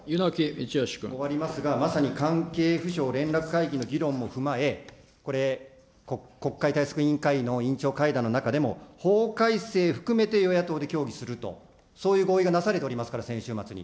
終わりますが、まさに関係府省連絡会議の議論も踏まえ、これ、国会対策委員会の委員長会談の中でも、法改正含めて与野党で協議するという、そういう合意がなされてますから、先週末に。